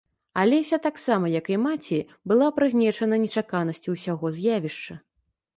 Алеся, таксама як і маці, была прыгнечана нечаканасцю ўсяго з'явішча.